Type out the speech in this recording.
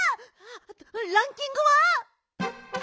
ランキングは？